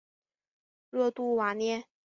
若杜瓦涅。